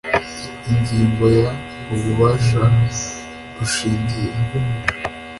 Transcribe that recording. ingingo ya ububasha bushingiye